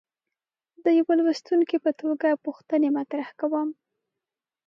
د یوه لوستونکي په توګه پوښتنې مطرح کوم.